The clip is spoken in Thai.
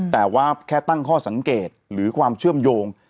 แต่ว่าแค่ตั้งข้อสังเกตหรือความเชื่อมโยง